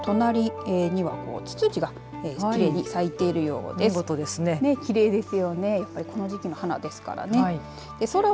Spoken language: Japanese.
放送局の隣にはつつじがきれいに咲いているようです。